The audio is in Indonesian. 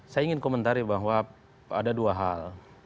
saya ingin komentari bahwa ada dua hal